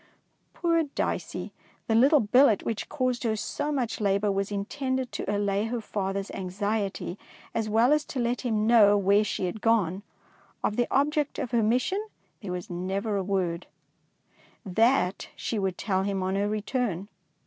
Poor Dicey ! the little billet which caused her so much labour was intended to allay her father^ s anxiety as well as to let him know where she had gone. Of the object of her mission there was 246 DICEY LANGSTON never a word. That she would tell him on her return.